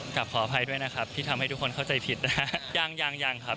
กลับขออภัยด้วยนะครับที่ทำให้ทุกคนเข้าใจผิดนะ